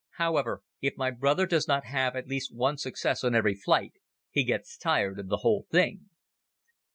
However, if my brother does not have at least one success on every flight he gets tired of the whole thing.